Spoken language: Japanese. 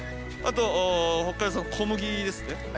あと北海道産の小麦ですね。